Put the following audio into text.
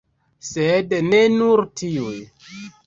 Sed ne nur tiuj.